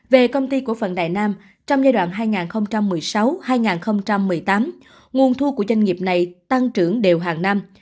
về công ty cổ phần đài nam trong giai đoạn hai nghìn một mươi sáu hai nghìn một mươi tám nguồn thu của doanh nghiệp này tăng trưởng đều hàng năm